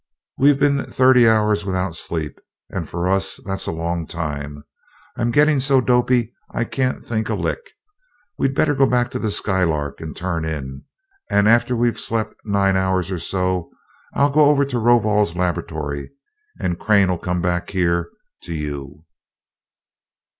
We've been thirty hours without sleep, and for us that's a long time. I'm getting so dopey I can't think a lick. We'd better go back to the Skylark and turn in, and after we've slept nine hours or so I'll go over to Rovol's laboratory and Crane'll come back here to you."